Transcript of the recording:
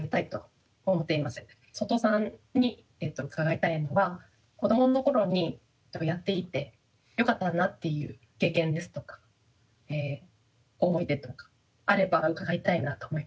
外尾さんに伺いたいのは子どもの頃にやっていてよかったなっていう経験ですとか思い出とかあれば伺いたいなと思います。